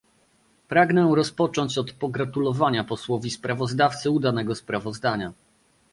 Pragnę rozpocząć od pogratulowania posłowi sprawozdawcy udanego sprawozdania